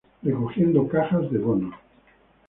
Recogiendo cajas de bonos.